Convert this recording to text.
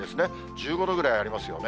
１５度ぐらいありますよね。